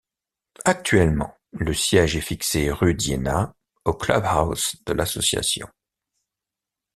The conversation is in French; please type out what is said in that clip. Actuellement le siège est fixé rue d’Iéna, au club-house de l’association.